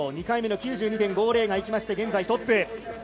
２回目の９２．５０が生きまして現在、トップ。